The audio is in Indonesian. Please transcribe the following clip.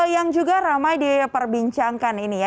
yang juga ramai diperbincangkan ini ya